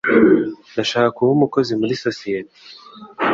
Ndashaka kuba umukozi muri sosiyete.